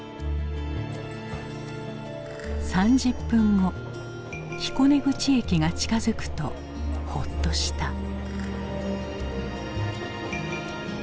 ３０分後彦根口駅が近づくとホッとした。